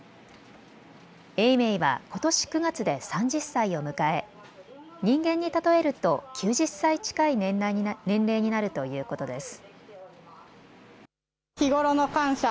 永明はことし９月で３０歳を迎え、人間に例えると９０歳近い年齢になるということです。